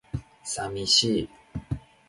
寂しい